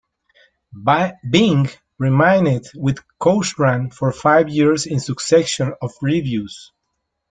Byng remained with Cochran for five years in a succession of revues.